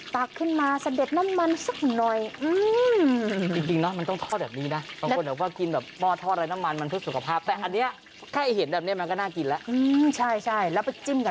ปลากขึ้นมาเสด็จน้ำมันสักหน่อยอื้อ